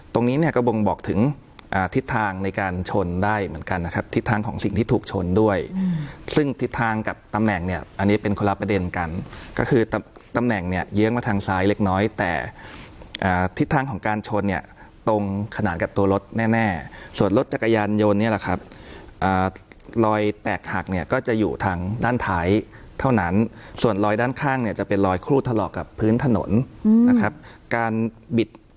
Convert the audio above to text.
ตรงนี้เนี่ยก็บ่งบอกถึงทิศทางในการชนได้เหมือนกันนะครับทิศทางของสิ่งที่ถูกชนด้วยซึ่งทิศทางกับตำแหน่งเนี่ยอันนี้เป็นคนละประเด็นกันก็คือตำแหน่งเนี่ยเยื้องมาทางซ้ายเล็กน้อยแต่ทิศทางของการชนเนี่ยตรงขนานกับตัวรถแน่ส่วนรถจักรยานยนต์เนี่ยแหละครับรอยแตกหักเนี่ยก็จะอยู่ทางด